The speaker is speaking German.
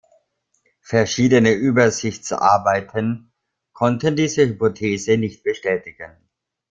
Verschiedene Übersichtsarbeiten konnten diese Hypothese nicht bestätigen.